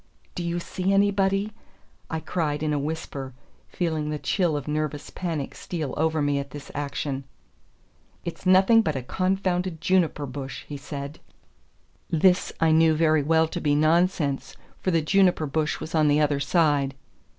"Do you see anybody?" I cried in a whisper, feeling the chill of nervous panic steal over me at this action. "It's nothing but a confounded juniper bush," he said. This I knew very well to be nonsense, for the juniper bush was on the other side.